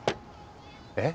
えっ？